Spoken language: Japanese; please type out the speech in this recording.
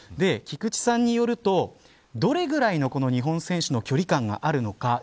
菊池さんによると、どれぐらい日本選手の距離感があるのか。